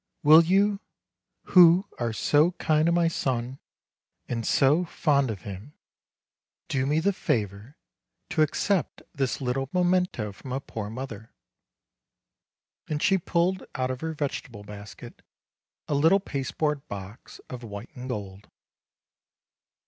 Will you, who are so kind to my son, and so fond of him, do me the favor to accept this little memento from a poor mother?" and she pulled out of her vegetable basket a little pasteboard box of white and gold.